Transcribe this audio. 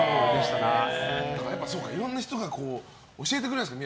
いろんな人が教えてくれるんですね。